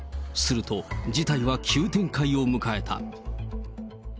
すると、事態は急展開を迎えた。